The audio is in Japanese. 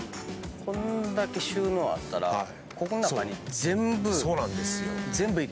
こんだけ収納あったらここの中に全部全部いけます。